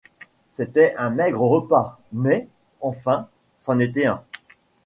C’était un maigre repas, mais, enfin, c’en était un.